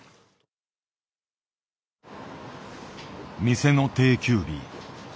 店の定休日。